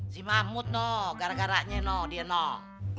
si mamut noh gara garanya dia noh